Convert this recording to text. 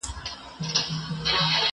زه مخکي کتابونه وړلي وو